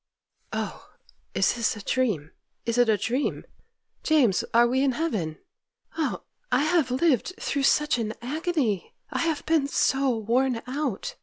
'Oh, is this a dream!—is it a dream! James, are we in heaven? Oh, I have lived through such an agony—I have been so worn out!